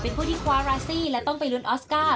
เป็นผู้ที่คว้าราซี่และต้องไปลุ้นออสการ์